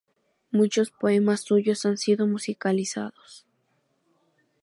Muchos poemas suyos han sido musicalizados.